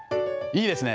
いいですね。